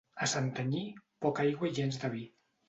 A Santanyí, poca aigua i gens de vi.